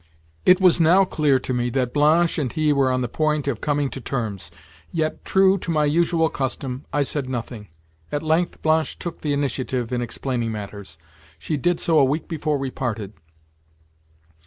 It was now clear to me that Blanche and he were on the point of coming to terms; yet, true to my usual custom, I said nothing. At length, Blanche took the initiative in explaining matters. She did so a week before we parted.